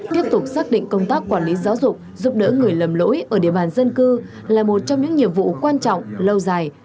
tiếp tục xác định công tác quản lý giáo dục giúp đỡ người lầm lỗi ở địa bàn dân cư là một trong những nhiệm vụ quan trọng lâu dài